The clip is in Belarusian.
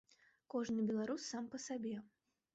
Кожны беларус сам па сабе.